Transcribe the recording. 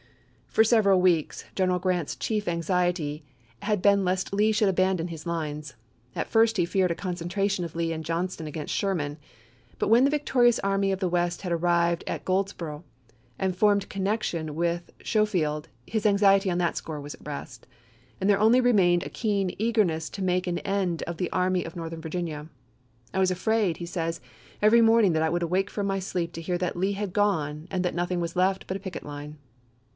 For several weeks General Grant's chief anxiety had been lest Lee should abandon his lines. At first he feared a concentration of Lee and John ston against Sherman ; but when the victorious Army of the West had arrived at Goldsboro' and formed connection with Schofield his anxiety on that score was at rest, and there only remained a keen eagerness to make an end of the Army of Northern Virginia. " I was afraid," he says, " every Grant, morning that I would awake from my sleep to hear MemoS" that Lee had gone, and that nothing was left but a p.W picket line."